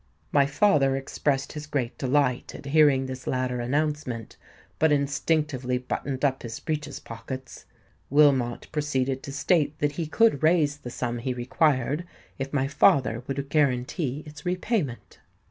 _' My father expressed his great delight at hearing this latter announcement, but instinctively buttoned up his breeches pockets. Wilmot proceeded to state that he could raise the sum he required if my father would guarantee its repayment.